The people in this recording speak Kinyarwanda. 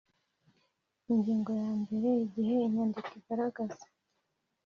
Ingingo ya mbeere Igihe inyandiko igaragaza